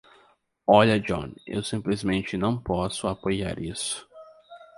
Olha John, eu simplesmente não posso apoiar isso.